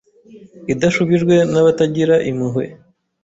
idashubijwe nabatagira impuhwe,